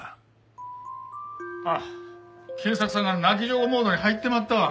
ああ賢作さんが泣き上戸モードに入ってまったわ。